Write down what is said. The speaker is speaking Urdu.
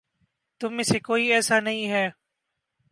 تم میں سے کوئی ایسا نہیں ہے